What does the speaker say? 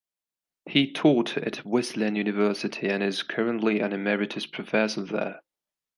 He taught at Wesleyan University and is currently an emeritus professor there.